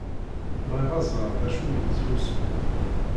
Bɣiɣ ad ẓṛeɣ dacu i yettlusu.